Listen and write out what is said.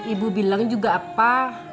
ibu bilang juga apa